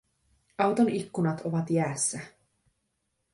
Auton ikkunat ovat jäässä